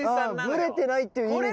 ブレてないっていう意味では。